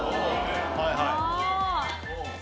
はいはい。